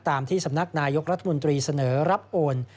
ที่สำนักนายกรัฐมนตรีเสนอรับโอน